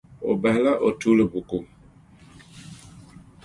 O bahila o tuuli buku.